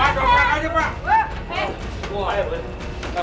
pak tolong perangkat aja pak